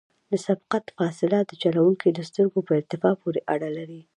د سبقت فاصله د چلوونکي د سترګو په ارتفاع پورې اړه لري